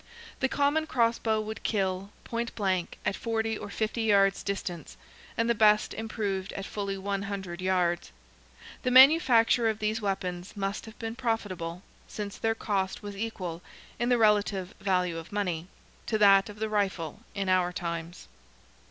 The common cross bow would kill, point blank, at forty or fifty yards distance, and the best improved at fully one hundred yards. The manufacture of these weapons must have been profitable, since their cost was equal, in the relative value of money, to that of the rifle, in our times.